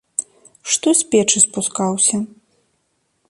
Што з печы спускаўся!